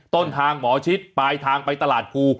ต้นทางหมอชิดปลายทางไปตลาดภู